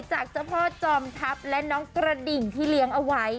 จากเจ้าพ่อจอมทัพและน้องกระดิ่งที่เลี้ยงเอาไว้